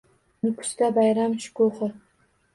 Nukusda bayram shukuhi